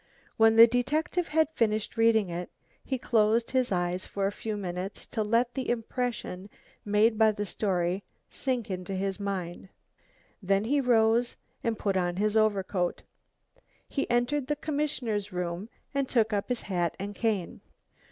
When the detective had finished reading it, he closed his eyes for a few minutes to let the impression made by the story sink into his mind. Then he rose and put on his overcoat. He entered the commissioner's room and took up his hat and cane.